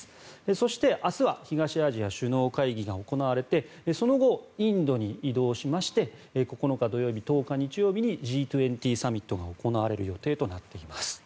そして明日は東アジア首脳会議が行われてその後、インドに移動しまして９日土曜日、１０日日曜日にＧ２０サミットが行われる予定となっています。